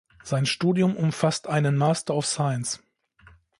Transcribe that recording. Sein Studium umfasst einen Master of Science.